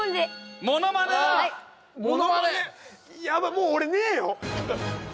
もう俺ねえよ。